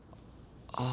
ああ。